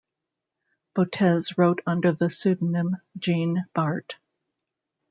Botez wrote under the pseudonym Jean Bart.